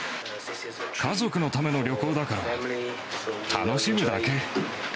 家族のための旅行だから、楽しむだけ。